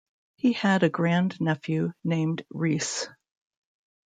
He had a grand nephew named reece.